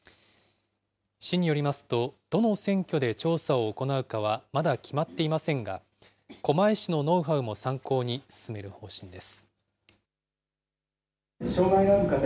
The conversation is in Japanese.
市によりますと、どの選挙で調査を行うかは、まだ決まっていませんが、狛江市のノウハウも参考に、進める方針です。